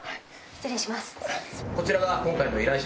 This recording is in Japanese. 失礼します。